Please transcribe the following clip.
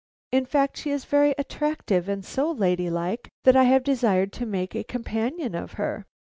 In fact, she is very attractive and so lady like that I have desired to make a companion of her.